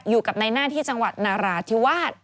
อยู่ในหน้าที่จังหวัดนาราธิวาส